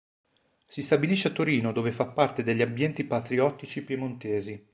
Si stabilisce a Torino dove fa parte degli ambienti patriottici piemontesi.